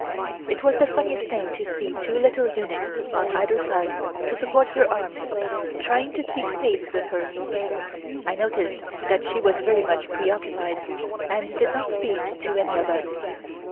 It was the funniest thing to see two little eunuchs on either side, to support her arms, trying to keep pace with her. I noticed that she was very much preoccupied, and did not speak to any of us.